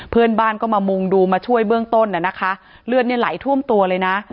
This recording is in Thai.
เพื่อนบ้านก็มามุงดูมาช่วยเบื้องต้นน่ะนะคะเลือดเนี่ยไหลท่วมตัวเลยนะ